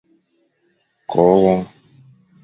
Ko won.